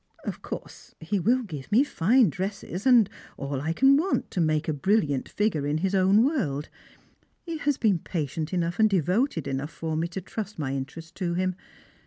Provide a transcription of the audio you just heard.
Of course, he will give me fine Strangero and Fili/rime. 2G1 dresses and all I can want to make a brilliant figure in Lis own world. He has been patient enough and devoted enough for me to trust my interests to him.